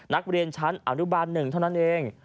นักเรียนชั้นอนุบาล๑เท่านั้นเอง